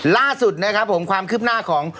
ล่าสุดนะครับผมความคืบหน้าของ